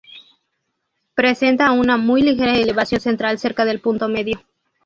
Presenta una muy ligera elevación central cerca del punto medio.